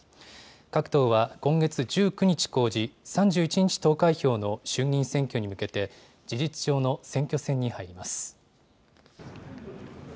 各党は、今月１９日公示、３１日投開票の衆議院選挙に向けて、事実上の選挙戦に入ります。